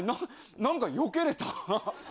なんかよけれた。